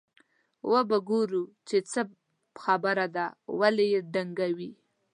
وبه ګورو چې څه خبره ده ولې یې ډنګوي.